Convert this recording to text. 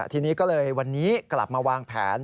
ทีนี้ก็เลยวันนี้กลับมาวางแผน